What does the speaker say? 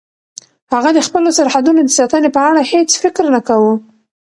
هغه د خپلو سرحدونو د ساتنې په اړه هیڅ فکر نه کاوه.